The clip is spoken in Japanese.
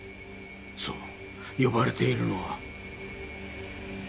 そう呼ばれているのは。